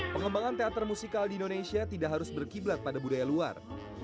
pengembangan teater musikal di indonesia tidak harus berkiblat pada budaya luar